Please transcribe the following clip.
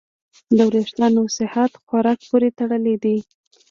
د وېښتیانو صحت خوراک پورې تړلی دی.